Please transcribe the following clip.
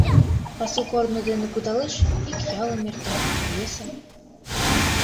Пасу корно дене кудалеш, ик ялым эрта, весым.